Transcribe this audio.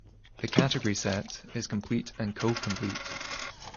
The category Set is complete and co-complete.